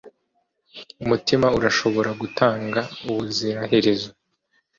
Umutima urashobora gutanga ubuziraherezo